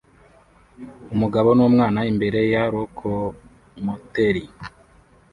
Umugabo n'umwana imbere ya lokomoteri